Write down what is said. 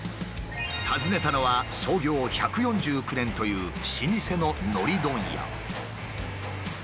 訪ねたのは創業１４９年という老舗ののり問屋。